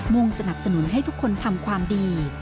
่งสนับสนุนให้ทุกคนทำความดี